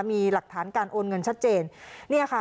มีหลักฐานการโอนเงินชัดเจน